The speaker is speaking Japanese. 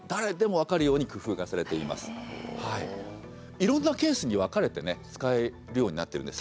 いろんなケースに分かれてね使えるようになってるんです。